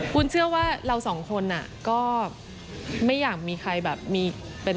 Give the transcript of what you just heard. คุณเชื่อว่าเราสองคนก็ไม่อยากมีใครแบบมีเป็น